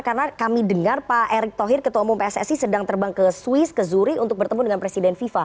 karena kami dengar pak erik thohir ketua umum pssi sedang terbang ke swiss ke zurich untuk bertemu dengan presiden viva